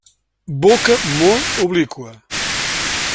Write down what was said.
Boca molt obliqua.